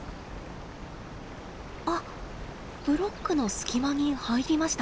あっブロックの隙間に入りました。